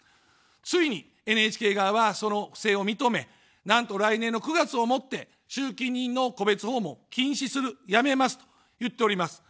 ついにＮＨＫ側は、その不正を認め、なんと来年の９月をもって集金人の戸別訪問を禁止する、やめますと言っております。